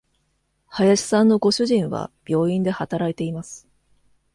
林さんのご主人は病院で働いています。